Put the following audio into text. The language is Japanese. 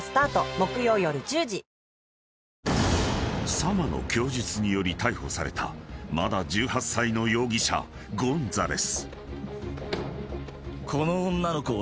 ［サマの供述により逮捕されたまだ１８歳の容疑者ゴンザレス］